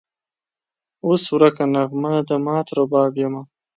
اوس ورکه نغمه د مات رباب یمه